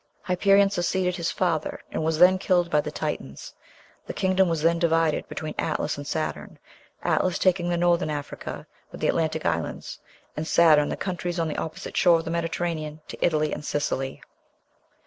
Hyperion succeeded his father, and was then killed by the Titans. The kingdom was then divided between Atlas and Saturn Atlas taking Northern Africa, with the Atlantic islands, and Saturn the countries on the opposite shore of the Mediterranean to Italy and Sicily."